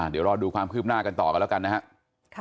เดี๋ยวรอดูความคืบหน้ากันต่อกันแล้วกันนะครับ